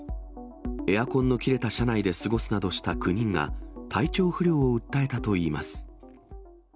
エアコンの切れた車内で過ごすなどした９人が、体調不良を訴えたといいます。